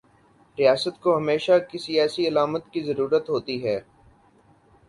ریاست کو ہمیشہ کسی ایسی علامت کی ضرورت ہوتی ہے۔